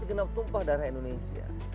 masih kena tumpah daerah indonesia